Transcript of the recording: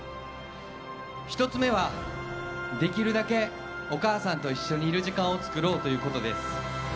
１つ目は、できるだけお母さんと一緒にいる時間を作ろうということです。